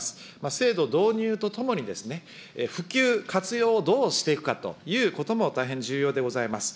制度導入とともに、普及、活用をどうしていくかということも大変重要でございます。